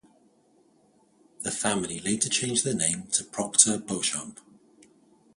The family later changed their name to Proctor-Beauchamp.